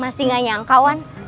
masih gak nyangkauan